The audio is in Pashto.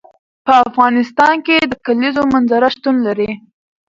په افغانستان کې د کلیزو منظره شتون لري.